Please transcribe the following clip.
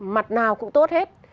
mặt nào cũng tốt hết